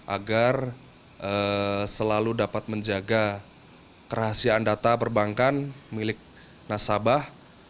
agar selalu dapat menjaga kerahasiaan data perbankan milik nasabah